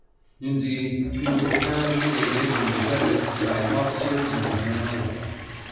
Indeed, he was apparently aided and abetted by officers and men alike.